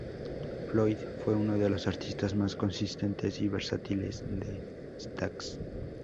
Floyd fue uno de los artistas más consistentes y versátiles de Stax.